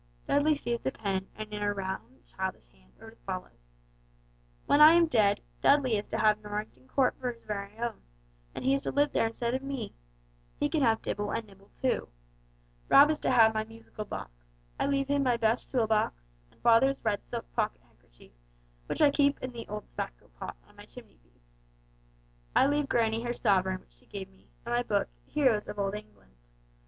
Dudley seized the pen and in round, childish hand wrote as follows: "When I am dead, Dudley is to have Norrington Court for his very own, and he is to live there instead of me. He can have Dibble and Nibble too. Rob is to have my musical box. I leave him my best tool box, and father's red silk pocket handkerchief which I keep in the old tobacco pot on my chimneypiece. I leave granny her sovereign which she gave me, and my book 'Heroes of old England.'